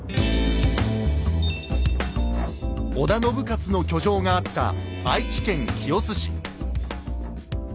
織田信雄の居城があった愛知県清須市。